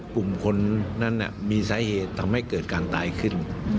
กลุ่มคนนั้นมีสาเหตุทำให้เกิดการตายขึ้น